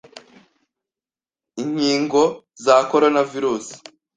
Inking za Corona virus